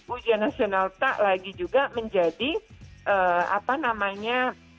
ujian nasional tak lagi juga menjadi apa namanya